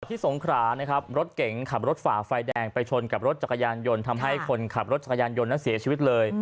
ที่สงขรานะครับรถเก๋งขับรถฝ่าไฟแดงไปชนกับรถจักรยานยนต์ทำให้คนขับรถจักรยานยนต์นั้นเสียชีวิตเลย